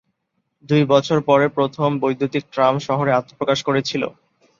দুই বছর পরে, প্রথম বৈদ্যুতিন ট্রাম শহরে আত্মপ্রকাশ করেছিল।